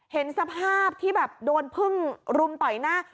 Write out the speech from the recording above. เห็นสภาพที่แบบโดนพึ่งรุมต่อยหน้า